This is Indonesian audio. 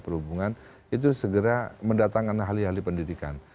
pak wahyu itu segera mendatangkan ahli ahli pendidikan